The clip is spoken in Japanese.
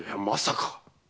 まさか！